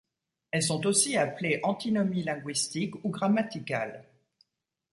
Elles sont aussi appelées antinomies linguistiques ou grammaticales.